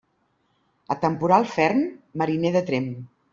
A temporal ferm, mariner de tremp.